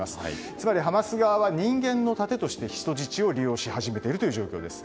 つまりハマス側は人間の盾として人質を利用し始めているという状況です。